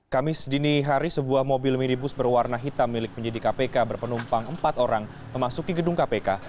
kamis dini hari sebuah mobil minibus berwarna hitam milik penyidik kpk berpenumpang empat orang memasuki gedung kpk